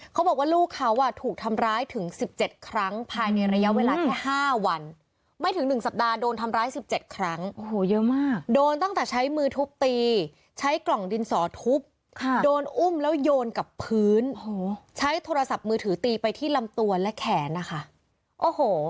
เขาบอกว่าลูกเขาอ่ะถูกทำร้ายถึง๑๗ครั้งภายในระยะเวลาแค่๕วันไม่ถึง๑สัปดาห์โดนทำร้าย๑๗ครั้งโอ้โหเยอะมากโดนตั้งแต่ใช้มือทุบตีใช้กล่องดินสอทุบโดนอุ้มแล้วโยนกับพื้นใช้โทรศัพท์มือถือตีไปที่ลำตัวและแขนนะคะโอ้โห